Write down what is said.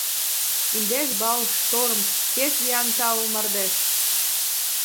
Индеш балл — шторм, пеш виян таул мардеж.